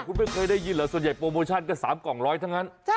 คุณไม่เคยได้ยินเหรอส่วนใหญ่โปรโมชั่นก็๓กล่องร้อยทั้งนั้น